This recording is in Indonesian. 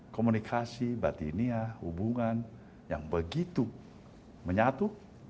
komunikasi batiniah hubungan yang begitu menyatu